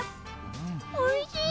おいしい！